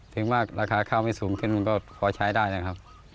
ถึงว่าราคาข้าวไม่สูงขึ้นมันก็พอใช้ได้นะครับ